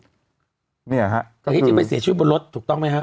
ก็คิดว่าไปเสียชีวิตบนรถถูกต้องไหมครับ